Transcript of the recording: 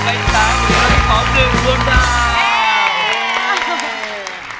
ได้ไปต่างกันของ๑วงดาว